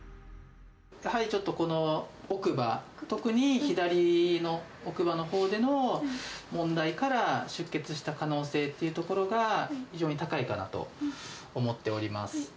やはりちょっと、この奥歯、特に左の奥歯のほうでの問題から出血した可能性っていうところが、非常に高いかなと思っております。